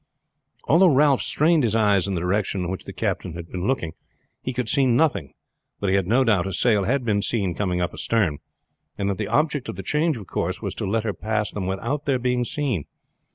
Although Ralph strained his eyes in the direction in which the captain had been looking, he could see nothing; but he had no doubt a sail had been seen coming up astern, and that the object of the change of course was to let her pass them without their being seen.